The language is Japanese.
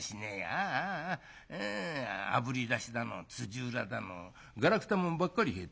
ああああぶり出しだのつじうらだのがらくたもんばっかり入ってらぁ。